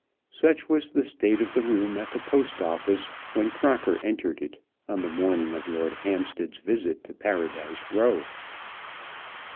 Such was the state of the room at the Post Office when Crocker entered it, on the morning of Lord Hampstead's visit to Paradise Row.